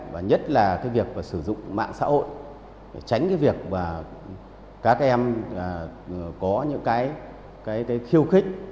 và nhất là việc sử dụng mạng xã hội để tránh việc các em có những khiêu khích